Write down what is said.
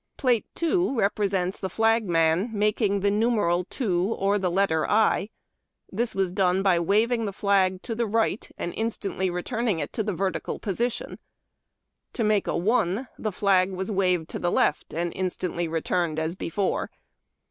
Plate 2 represents the flagman making the numeral " 2 " or the letter " i." This was done by waving the flag to the right and instantly returning it to a vertical position. To make " 1 " the flag was waved to the left, and instantly returned as before.